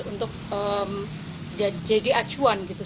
untuk jadi acuan gitu